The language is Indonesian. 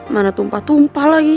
mana tumpah tumpah lagi